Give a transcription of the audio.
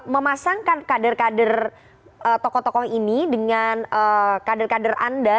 memasangkan kader kader tokoh tokoh ini dengan kader kader anda